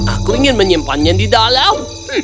aku ingin menyimpannya di dalam